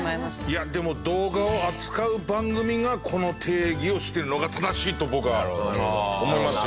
いやでも動画を扱う番組がこの提起をしてるのが正しいと僕は思いますよ。